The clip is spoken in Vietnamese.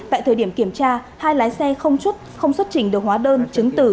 tại thời điểm kiểm tra hai lái xe không xuất trình được hóa đơn chứng từ